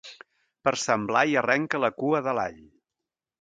Per Sant Blai arrenca la cua de l'all.